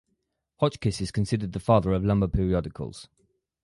Hotchkiss is considered the father of lumber periodicals.